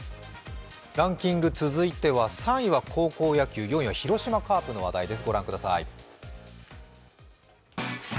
ランキング、続いては３位は高校野球、４位は広島カープの話題です。